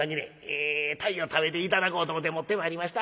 ええ鯛を食べて頂こうと思て持ってまいりました。